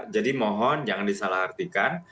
jadi mohon jangan disalahkan